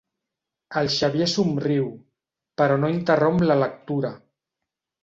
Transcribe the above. El Xavier somriu, però no interromp la lectura.